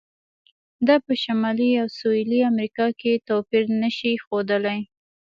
دا په شمالي او سویلي امریکا کې توپیر نه شي ښودلی.